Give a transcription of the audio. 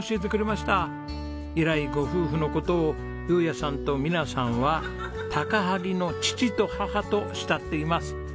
以来ご夫婦の事を雄也さんと美奈さんは「高萩の父と母」と慕っています。